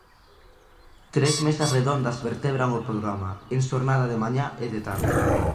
Tres mesas redondas vertebran o programa, en xornada de mañá e de tarde.